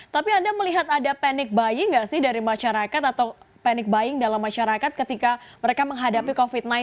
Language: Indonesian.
tapi anda melihat ada panic buying nggak sih dari masyarakat atau panic buying dalam masyarakat ketika mereka menghadapi covid sembilan belas